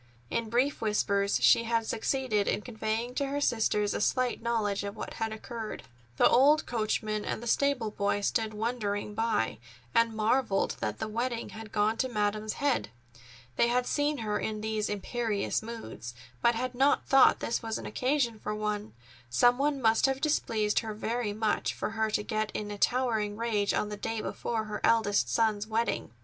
In brief whispers she had succeeded in conveying to her sisters a slight knowledge of what had occurred. The old coachman and the stable boy stood wondering by and marvelled that the wedding had gone to Madam's head. They had seen her in these imperious moods, but had not thought this an occasion for one. Some one must have displeased her very much, for her to get in a towering rage on the day before her eldest son's wedding.